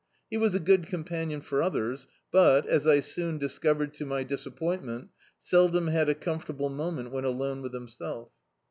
He was a good companion for others, but, as I soon discovered to my disappoint ment, seldom had a oHnfortable moment when alone with himself.